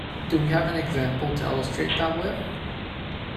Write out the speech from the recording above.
Do we have an example to illustrate that with?